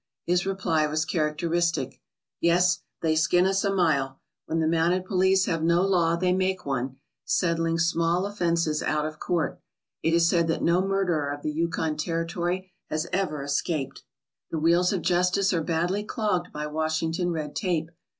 His reply was characteristic: "Yes, they skin us a mile. When the mounted police have no law, they make one, settling small offences out of court. It is said that no murderer of the Yukon Terri tory has ever escaped/' The wheels of justice are badly clogged by Washington red tape.